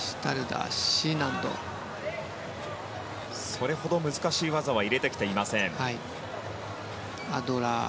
それほど難しい技は入れてきていません。